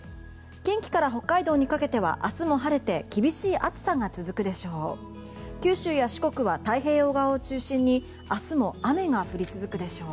近畿から北海道にかけては明日にかけて厳しい暑さが続くでしょう。